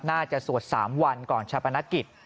น่าจะสวด๓วันก่อนชะปนักกิจ